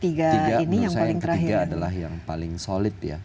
menurut saya yang ketiga adalah yang paling solid ya